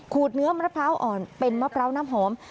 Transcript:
เนื้อมะพร้าวอ่อนเป็นมะพร้าวน้ำหอม